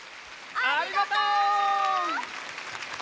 ありがとう！